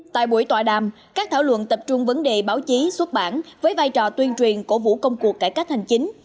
tại buổi tọa đàm các thảo luận tập trung vấn đề báo chí xuất bản với vai trò tuyên truyền cổ vũ công cuộc cải cách hành chính